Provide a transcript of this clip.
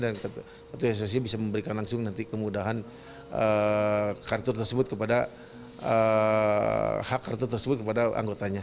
dan ketua asosiasi bisa memberikan langsung nanti kemudahan kartu tersebut kepada anggotanya